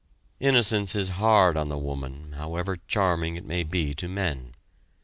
Innocence is hard on the woman, however charming it may be to men.